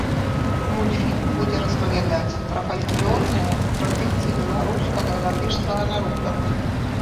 Мультфільм будзе распавядаць пра фальклорныя традыцыі беларускага і латышскага народаў.